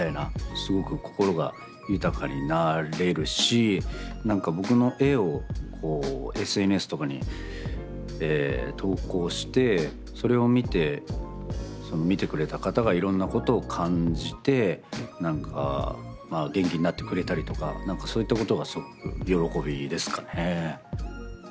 すごく心が豊かになれるしなんか僕の絵をこうＳＮＳとかに投稿してそれを見て見てくれた方がいろんなことを感じてなんか元気になってくれたりとかなんかそういったことがすごく喜びですかね。